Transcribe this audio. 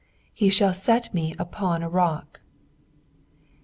"He thall set me up upon a roek.'"